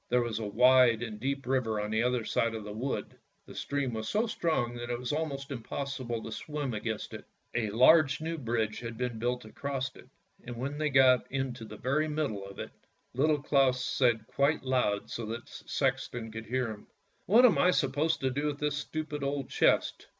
There was a wide and deep river on the other side of the wood, the stream was so strong that it was almost impossible to swim against it. A large new bridge had been built across it, and when they got into the very middle of it, Little Claus said quite loud, so that the sexton could hear him —" What am I to do with this stupid old chest?